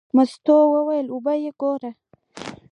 مستو وویل: وبه یې ګورې.